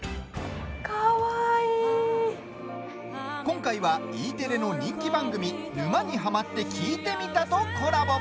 今回は、Ｅテレの人気番組「沼にハマってきいてみた」とコラボ。